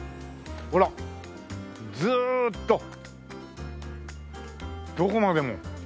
ほらずーっとどこまでも。